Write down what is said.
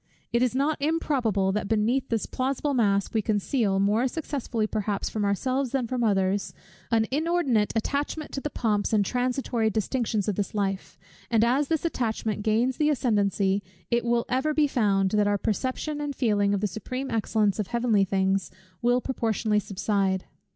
It is not improbable, that beneath this plausible mask we conceal, more successfully perhaps from ourselves than from others, an inordinate attachment to the pomps and transitory distinctions of this life; and as this attachment gains the ascendency, it will ever be found, that our perception and feeling of the supreme excellence of heavenly things will proportionably subside.